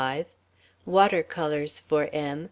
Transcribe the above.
25 Water colors for M.